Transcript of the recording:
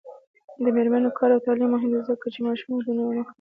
د میرمنو کار او تعلیم مهم دی ځکه چې ماشوم ودونو مخه نیسي.